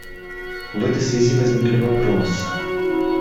В этой связи возникли вопросы.